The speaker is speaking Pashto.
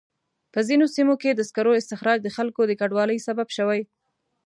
په ځینو سیمو کې د سکرو استخراج د خلکو د کډوالۍ سبب شوی.